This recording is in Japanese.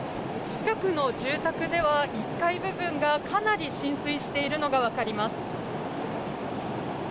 近くの住宅では１階部分がかなり浸水しているのが分かります。